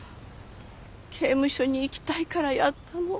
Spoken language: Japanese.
刑務所に行きたいからやったの。